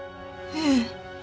ええ。